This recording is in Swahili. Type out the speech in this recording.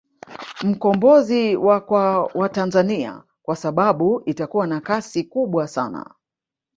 Mkombozi wa Kwa watanzania kwa sababu itakua na kasi kubwa sana